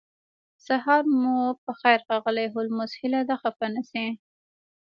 سهار مو پخیر ښاغلی هولمز هیله ده خفه نشئ